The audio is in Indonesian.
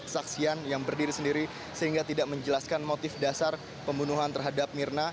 saksian yang berdiri sendiri sehingga tidak menjelaskan motif dasar pembunuhan terhadap mirna